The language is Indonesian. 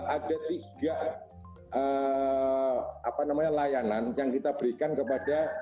ada tiga layanan yang kita berikan kepada